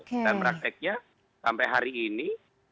dan prakteknya sampai hari ini